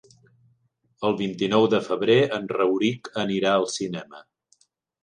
El vint-i-nou de febrer en Rauric anirà al cinema.